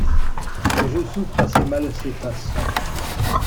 Et je souffre assez mal ces façons!